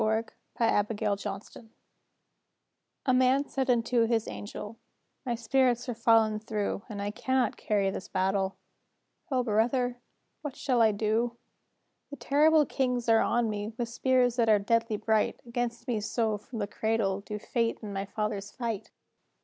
The Kings A MAN said unto his angel: "My spirits are fallen thro', And I cannot carry this battle, O brother! what shall I do? "The terrible Kings are on me, With spears that are deadly bright, Against me so from the cradle Do fate and my fathers fight."